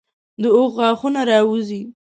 د اوښ غاښونه راوځي.